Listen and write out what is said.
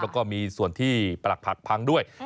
แล้วก็มีส่วนที่ปรักผักพังด้วย